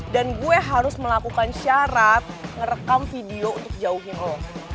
dan gue harus melakukan syarat ngerekam video untuk jauhin lo